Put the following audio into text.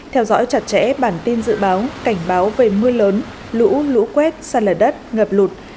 theo dõi chặt chẽ bản tin dự báo cảnh báo về mưa lớn lũ lũ quét sạt lở đất ngập lụt